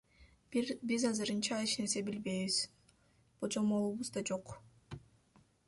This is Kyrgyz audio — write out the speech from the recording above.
Биз азырынча эч нерсе билбейбиз, божомолубуз да жок.